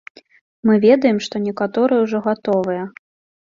Мы ведаем, што некаторыя ўжо гатовыя.